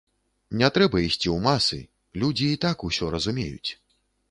Не трэба ісці ў масы, людзі і так усё разумеюць.